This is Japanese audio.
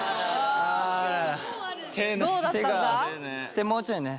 手もうちょいね。